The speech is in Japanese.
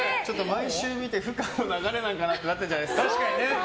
毎週見て、不可の流れかなってなってるんじゃないですか？